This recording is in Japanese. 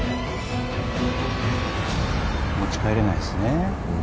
持ち帰れないですね。